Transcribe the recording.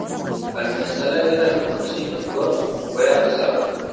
Al finalizar la guerra de los campesinos, Götz fue apresado.